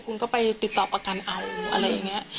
คุณก็ไปติดต่อประกันเอา